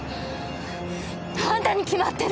あんたに決まってる。